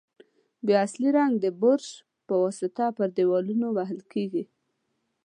بیا اصلي رنګ د برش په واسطه پر دېوالونو وهل کیږي.